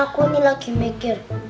aku ini lagi mikir